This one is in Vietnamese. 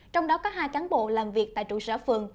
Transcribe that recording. trong đó có hai cán bộ làm việc tại trụ sở phường